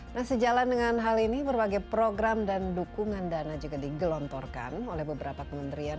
nah sejalan dengan hal ini berbagai program dan dukungan dana juga digelontorkan oleh beberapa kementerian